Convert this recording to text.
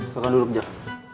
suka dulu sekejap